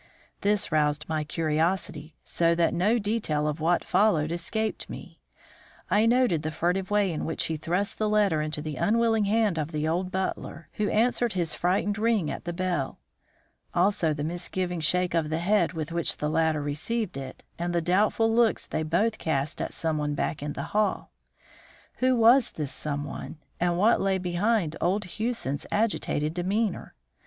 This roused my curiosity, so that no detail of what followed escaped me. I noted the furtive way in which he thrust the letter into the unwilling hand of the old butler, who answered his frightened ring at the bell. Also the misgiving shake of the head with which the latter received it, and the doubtful looks they both cast at someone back in the hall. Who was this someone, and what lay behind old Hewson's agitated demeanour?